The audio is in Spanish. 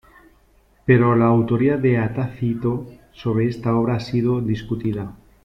Pero la autoría de a Tácito sobre esta obra ha sido discutida.